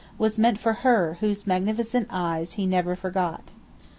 was meant for her whose magnificent eyes he never forgot.